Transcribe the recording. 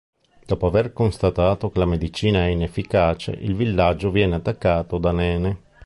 Dopo aver constatato che la medicina è inefficace, il villaggio viene attaccato da Nene.